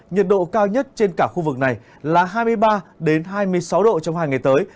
nhiệt độ cao nhất trên cả khu vực này là hai mươi ba hai mươi sáu độ trong hai ngày tới